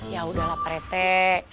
ya udahlah pak reti